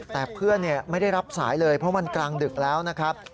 แต่เพื่อนไม่ได้รับสายเลยเพราะมันกลางดึกแล้วนะครับ